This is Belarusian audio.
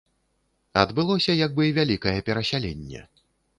Адбылося як бы вялікае перасяленне.